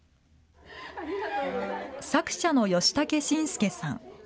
作者のヨシタケシンスケさん。